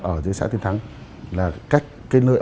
ở dưới xã tuyên thắng là cách kết nơi